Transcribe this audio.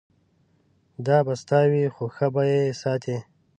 دا به ستا وي خو ښه به یې ساتې.